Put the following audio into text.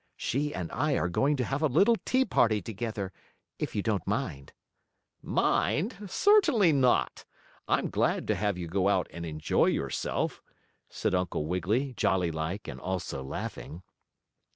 She and I are going to have a little tea party together, if you don't mind." "Mind? Certainly not! I'm glad to have you go out and enjoy yourself," said Uncle Wiggily, jolly like and also laughing.